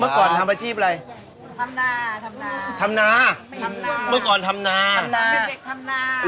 เมื่อก่อนทำประชีพอะไรทำนาทำนาทำนาเมื่อก่อนทำนาทำนาทำนา